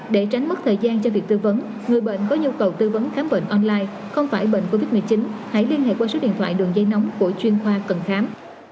để tránh mất thời gian cho việc tư vấn người bệnh có nhu cầu tư vấn khám bệnh online không phải bệnh covid một mươi chín hãy liên hệ qua số điện thoại đường dây nóng của chuyên khoa cần khám